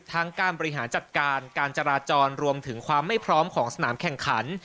การบริหารจัดการการจราจรรวมถึงความไม่พร้อมของสนามแข่งขัน